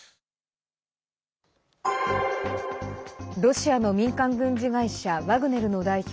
ロシアの民間軍事会社ワグネルの代表